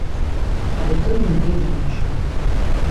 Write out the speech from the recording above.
Але той нібы і не чуў.